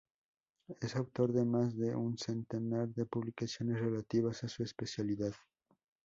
Es autor de más de un centenar de publicaciones relativas a su especialidad.